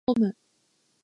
風邪で寝込む